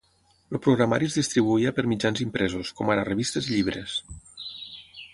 El programari es distribuïa per mitjans impresos, com ara revistes i llibres.